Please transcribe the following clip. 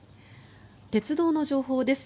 鉄道の情報です。